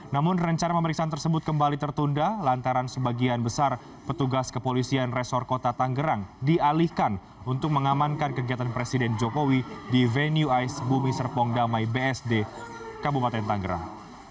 namun rencana pemeriksaan tersebut kembali tertunda lantaran sebagian besar petugas kepolisian resor kota tanggerang dialihkan untuk mengamankan kegiatan presiden jokowi di venue ice bumi serpong damai bsd kabupaten tanggerang